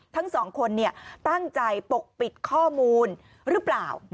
ทั้งสองคนตั้งใจปกปิดข้อมูลหรือเปล่า